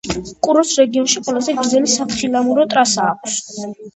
კურორტს რეგიონში ყველაზე გრძელი სათხილამურო ტრასა აქვს.